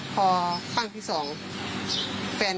เพาะพังที่สองพัง